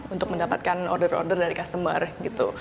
untuk mendapatkan order order dari customer gitu